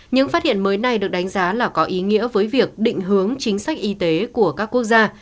những phát hiện mới này được đánh giá là có ý nghĩa với việc định hướng chính sách y tế của các quốc gia